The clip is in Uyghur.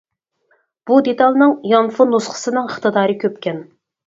بۇ دېتالنىڭ يانفون نۇسخىسىنىڭ ئىقتىدارى كۆپكەن.